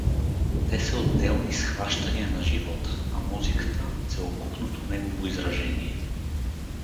Те са отделни схващания на живота, а музиката — целокупното негово изражение.